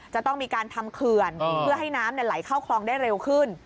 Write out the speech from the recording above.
จะต้องมีการทำเขื่อนเพื่อให้น้ำไหลเข้าคลองได้เร็วขึ้น